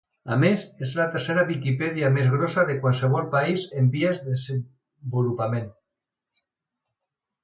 A més, és la tercera Viquipèdia més grossa de qualsevol país en vies de desenvolupament.